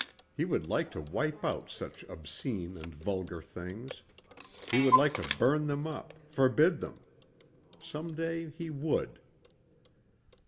He would like to wipe out such obscene and vulgar things. He would like to burn them up, forbid them. Someday he would.